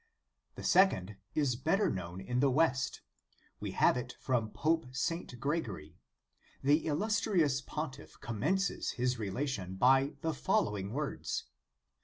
The second, is better known in the West. We have it from Pope Saint Gregory. The illustrious pontiff commences his relation by the following words.